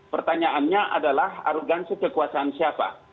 pertanyaannya adalah arogansi kekuasaan siapa